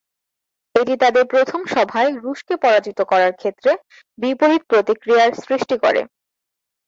এটি তাদের প্রথম সভায় রুশকে পরাজিত করার ক্ষেত্রে বিপরীত প্রতিক্রিয়ার সৃষ্টি করে।